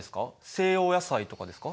西洋野菜とかですか？